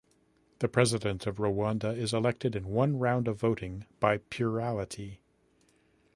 The President of Rwanda is elected in one round of voting by plurality.